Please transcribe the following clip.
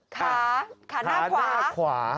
ขาขาหน้าขวา